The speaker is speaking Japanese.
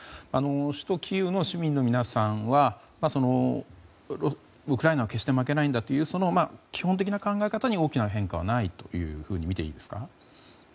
首都キーウの市民の皆さんはウクライナは決して負けないんだという基本的な考え方に大きな変化はないというふうにみていいですか。